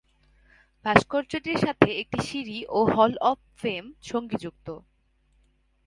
ভাস্কর্যটির সাথে একটি সিঁড়ি ও "হল অব ফেম" সঙ্গিযুক্ত।